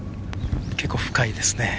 結構、深いですね。